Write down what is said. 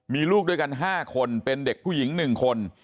มีลูกด้วยกัน๕คนเป็นเด็กผู้หญิง๑คน